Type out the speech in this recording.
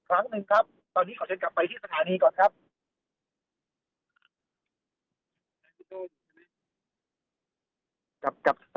ครั้งหนึ่งครับตอนนี้ขอเชิญกลับไปที่สถานีก่อนครับ